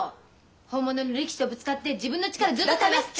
本物の力士とぶつかって自分の力ずっと試すって。